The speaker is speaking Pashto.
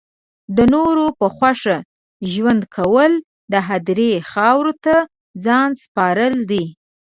د نورو په خوښه ژوند کول د هدیرې خاورو ته ځان سپارل دی